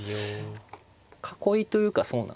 囲いというかそうなんですよね。